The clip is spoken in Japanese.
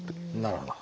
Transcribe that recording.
なるほど。